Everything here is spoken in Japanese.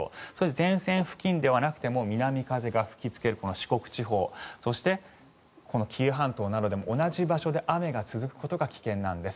前線付近ではなくても南風が吹きつける四国地方そしてこの紀伊半島などでも同じ場所で雨が続くことが危険なんです。